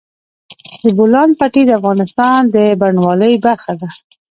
د بولان پټي د افغانستان د بڼوالۍ برخه ده.